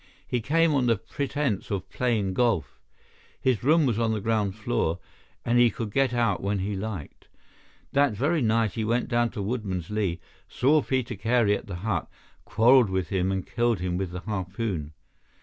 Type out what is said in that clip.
He came on the pretence of playing golf. His room was on the ground floor, and he could get out when he liked. That very night he went down to Woodman's Lee, saw Peter Carey at the hut, quarrelled with him, and killed him with the harpoon.